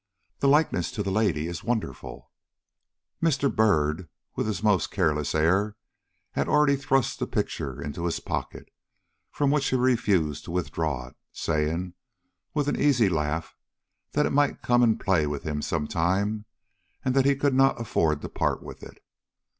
The likeness to the lady is wonderful." But Mr. Byrd, with his most careless air, had already thrust the picture into his pocket, from which he refused to withdraw it, saying, with an easy laugh, that it might come in play with him some time, and that he could not afford to part with it.